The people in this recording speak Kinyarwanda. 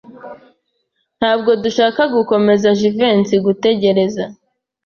Ntabwo dushaka gukomeza Jivency gutegereza.